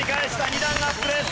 ２段アップです。